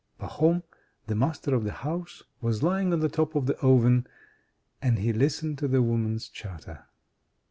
Pahom, the master of the house, was lying on the top of the oven, and he listened to the women's chatter.